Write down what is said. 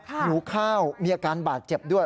หนูข้าวมีอาการบาดเจ็บด้วย